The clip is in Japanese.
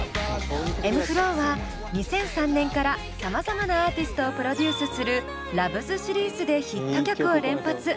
ｍ−ｆｌｏは２００３年からさまざまなアーティストをプロデュースするｌｏｖｅｓシリーズでヒット曲を連発。